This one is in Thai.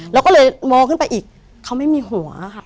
เราก็เลยมองขึ้นไปอีกเขาไม่มีหัวค่ะ